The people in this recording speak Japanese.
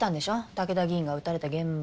武田議員が撃たれた現場。